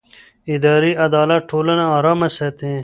اداري عدالت ټولنه ارامه ساتي